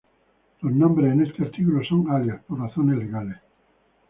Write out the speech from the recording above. Los nombres en este artículo son alias, por razones legales.